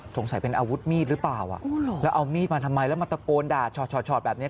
สงสัยเป็นอาวุธมีดแล้วเอามีดมาทำไมแล้วมันตะโกนด่าฉอดแบบเนี่ย